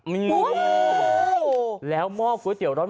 วู้วววแล้วหมอกก๋อเตี๋ยวร้อน